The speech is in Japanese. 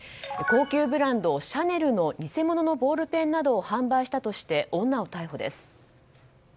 高級ブランド、シャネルの偽物のボールペンなどを販売したとして女を逮捕です。